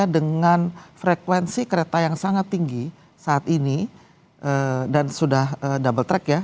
dengan frekuensi kereta yang sangat tinggi saat ini dan sudah double track ya